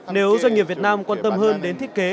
nếu doanh nghiệp việt nam quan tâm hơn đến thiết kế